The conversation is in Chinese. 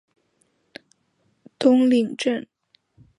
东岭镇是中国福建省泉州市惠安县下辖的一个镇。